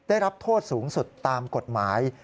ได้รับโทษสูงสุดตามกฎหมาย